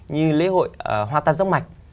như lễ hội hoa tà dốc mạch